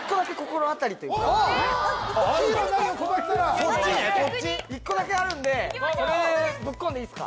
そっちねそっち１個だけあるんでそれぶっこんでいいすか？